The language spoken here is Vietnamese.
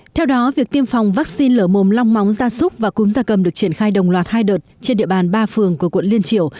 theo đó việc tiêm phòng vaccine lở mồm long móng da súc và cúm da cầm được triển khai đồng loạt hai đợt trên địa bàn ba phường của quận liên triều